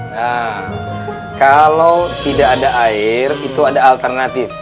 nah kalau tidak ada air itu ada alternatif